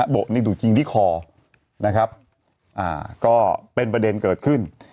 โบะนี่ถูกยิงที่คอนะครับก็เป็นประเด็นเกิดขึ้น